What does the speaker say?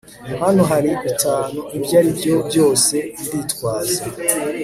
Hano hari bitanu ibyo aribyo byose nditwaza